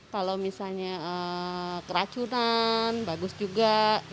kalau misalnya keracunan bagus juga